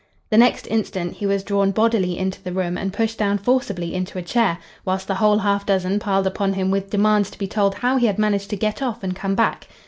The next instant he was drawn bodily into the room and pushed down forcibly into a chair, whilst the whole half dozen piled upon him with demands to be told how he had managed to get off and come back.